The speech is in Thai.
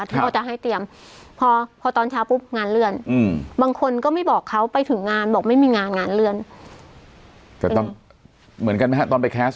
ก็จะให้เตรียมพอตอนเช้าพุบงานเลื่อน